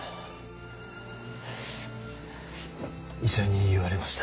医者に言われました。